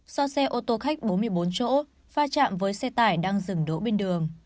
do xe ô tô khách bốn mươi bốn chỗ pha chạm với xe tải đang dừng đỗ bên đường